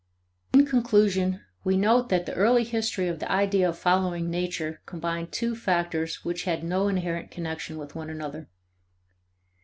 In conclusion, we note that the early history of the idea of following nature combined two factors which had no inherent connection with one another.